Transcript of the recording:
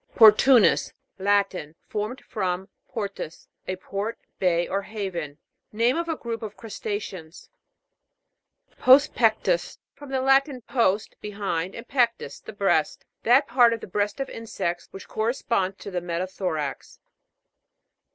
PORTU'NUS. Latin. Formed from, portus, a port, bay, or haven. Name of a group of crusta'ceans. POST PEC'TUS. From the Latin, post, behind, and pectus, the breast. That part of the breast of insects which corresponds to the meta thorax.